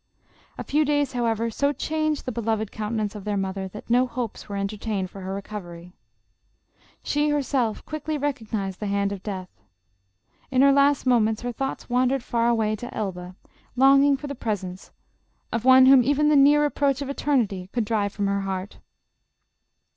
A few days, ^however, so changed the beloved counte nance of their mother, that no hopes were entertained for her recovery. She, herself, quickly recognized the hand of death. In her last moments, her thoughts wandered far away to Elba, longing for the presence of one whom not JOSEPHINE. 267 even the near approach of eternity could drive from her heart.